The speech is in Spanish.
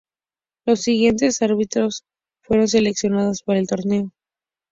Los siguientes árbitros fueron seleccionados para el torneo.